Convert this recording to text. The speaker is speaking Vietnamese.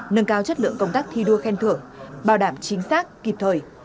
nâng cao chất lượng công tác thi đua khen thưởng bảo đảm chính xác kịp thời